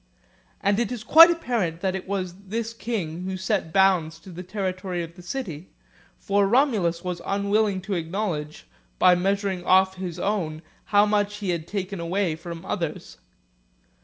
And itis quite apparent that it was this king who set bounds to the territory of the city, for Romulus was unwilling to acknowledge, by measuring off his own, how much he had taken away from others.